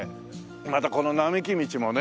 またこの並木道もね。